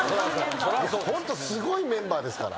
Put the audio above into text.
ホントすごいメンバーですから。